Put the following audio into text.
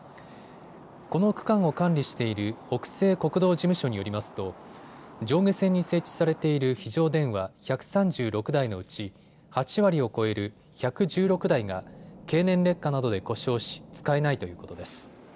この区間を管理している北勢国道事務所によりますと上下線に設置されている非常電話１３６台のうち８割を超える１１６台が経年劣化などで故障し、使えないということです。